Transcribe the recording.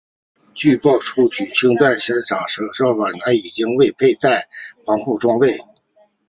据报起初清理现场的消防人员也未佩戴防护装备。